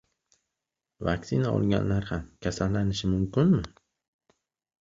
Vaksina olganlar ham kasallanishi mumkinmi?